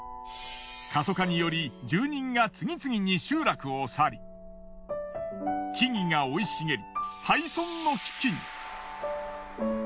過疎化により住人が次々に集落を去り木々が生い茂り。